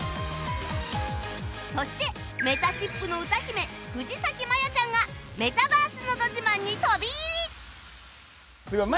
そしてめたしっぷの歌姫藤咲まやちゃんがメタバースのど自慢に飛び入り！